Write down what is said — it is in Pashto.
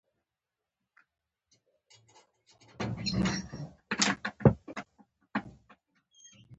په افغانستان کې د چرګانو تاریخ اوږد دی.